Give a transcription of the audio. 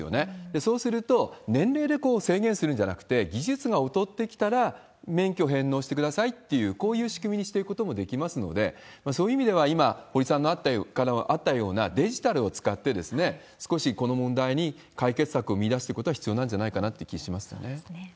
そうすると、年齢で制限するんじゃなくて、技術が劣ってきたら免許返納してくださいっていう、こういう仕組みにしていくこともできますので、そういう意味では、今、堀さんからあったような、デジタルを使って、少しこの問題に解決策を見いだすということが必要なんじゃないかそうですね。